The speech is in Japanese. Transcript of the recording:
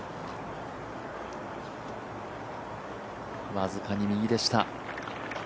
僅かに右でした。